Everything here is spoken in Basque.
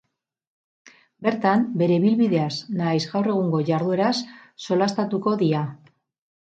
Bertan, bere ibilbideaz nahiz gaur egungo jardueraz solastatuko dia.